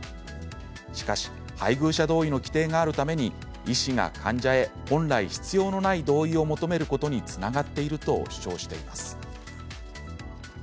しかし配偶者同意の規定があるために医師が患者へ本来、必要のない同意を求めることにつながっていると主張しています。